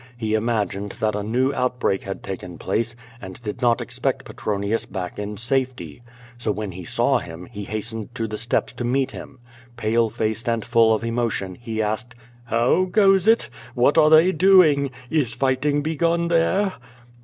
He imagined that a new out break had taken place, and did not expect Petronius back in safety. So when he saw him he hastened to the steps to meet him. Pale faced and full of emotion, he asked: *^ow goes it? What are they doing? Is fighting begun there?"